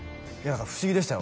不思議でしたよ